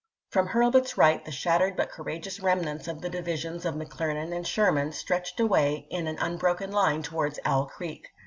From Hurlbut's right the shattered but courageous remnants of the divisions of McClernand and Sher man stretched away in an unbroken line towards Owl Creek.